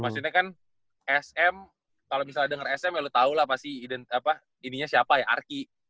maksudnya kan sm kalau misalnya denger sm ya lu tahu lah pasti ininya siapa ya arki